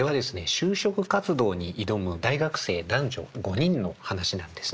就職活動に挑む大学生男女５人の話なんですね。